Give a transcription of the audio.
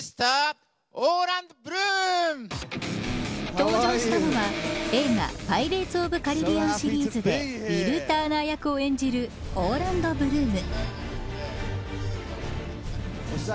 登場したのは映画パイレーツ・オブ・カリビアンシリーズでウィル・ターナー役を演じるオーランド・ブルーム。